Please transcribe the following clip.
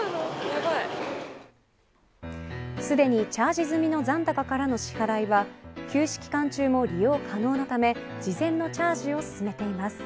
すでにチャージ済みの残高からの支払いは休止期間中も利用可能なため事前のチャージを勧めています。